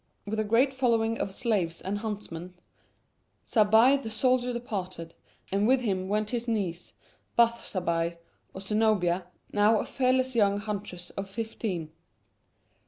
With a great following of slaves and huntsmen, Zabbai the soldier departed, and with him went his niece, Bath Zabbai, or Zenobia, now a fearless young huntress of fifteen.